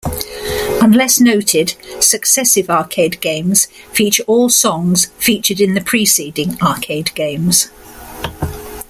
Unless noted, successive arcade games feature all songs featured in the preceding arcade games.